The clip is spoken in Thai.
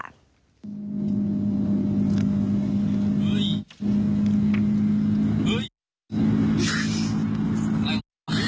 เฮ้ย